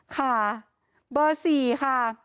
ค่ะเบอร์๔ค่ะ